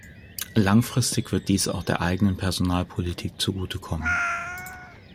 Langfristig wird dies auch der eigenen Personalpolitik zugute kommen.